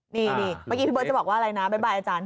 นี่เมื่อกี้พี่เบิร์ตจะบอกว่าอะไรนะบ๊ายอาจารย์